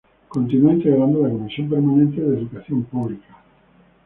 Continuó integrando la Comisión Permanente de Educación Pública.